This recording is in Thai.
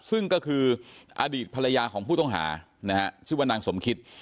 ซึ่งก็คืออดีตภรรยาของผู้ต้องหานะฮะชื่อว่านางสมคิต